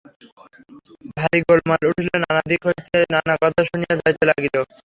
ভারি গোলমাল উঠিল, নানা দিক হইতে নানা কথা শুনা যাইতে লাগিল।